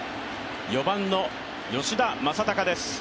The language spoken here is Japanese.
４番の吉田正尚です